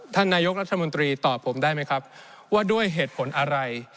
ท่านนายกรัฐมนตรีตอบผมได้ไหมครับว่าด้วยเหตุผลอะไร